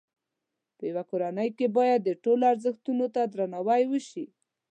په یوه کورنۍ کې باید د ټولو ازرښتونو ته درناوی وشي.